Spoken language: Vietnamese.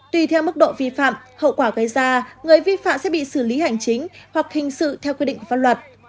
tùy theo mức độ vi phạm hậu quả gây ra người vi phạm sẽ bị xử lý hành chính hoặc hình sự theo quy định pháp luật